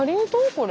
これ。